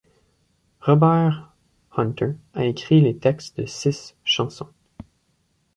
Robert Hunter a écrit les textes de six chansons.